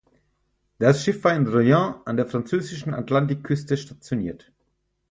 Das Schiff war in Royan an der französischen Atlantikküste stationiert.